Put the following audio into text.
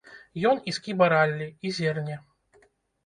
Ён і скіба раллі, і зерне.